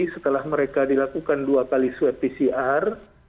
setelah mereka dilakukan dua kali swab pcr